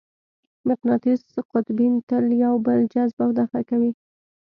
مقناطیسي قطبین تل یو بل جذب او دفع کوي.